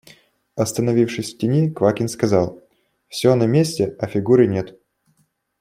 Остановившись в тени, Квакин сказал: – Все на месте, а Фигуры нет.